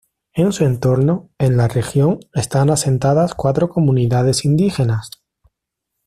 En su entorno, en la región, están asentadas cuatro comunidades indígenas.